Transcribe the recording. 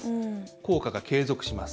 効果が継続します。